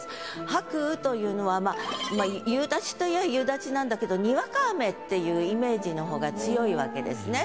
「白雨」というのは夕立といえば夕立なんだけどにわか雨っていうイメージのほうが強いわけですね。